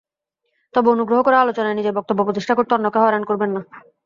তবে অনুগ্রহ করে আলোচনায় নিজের বক্তব্য প্রতিষ্ঠা করতে অন্যকে হয়রান করবেন না।